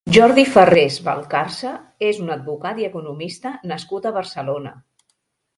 Jordi Ferrés Valcarce és un advocat i economista nascut a Barcelona.